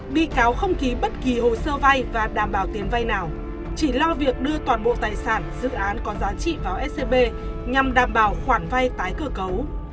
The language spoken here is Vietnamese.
bị cáo không ký bất kỳ hồ sơ vai và đảm bảo tiến vai nào chỉ lo việc đưa toàn bộ tài sản dự án có giá trị vào scb nhằm đảm bảo khoản vai tái cửa cấu